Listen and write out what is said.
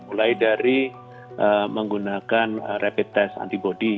mulai dari menggunakan rapid test antibody